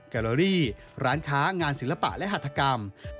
แกโลรี่ร้านค้างานศิลปะและหัฐกรรม